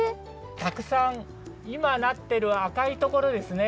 たくさんいまなってるあかいところですね。